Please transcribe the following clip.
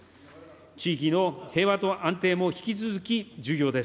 地域の平和と安定も引き続き重要です。